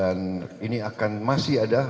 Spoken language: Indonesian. dan ini akan masih ada